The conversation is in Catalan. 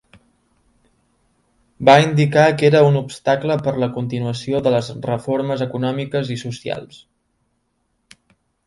Va indicar que era un obstacle per a la continuació de les reformes econòmiques i socials.